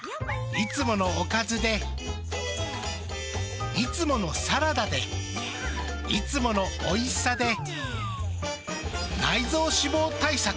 いつものおかずでいつものサラダでいつものおいしさで内臓脂肪対策。